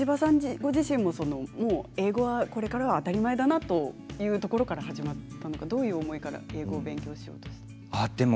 ご自身も英語はこれからは当たり前だなというところから始まったのかどういう思いから英語を勉強されたんですか？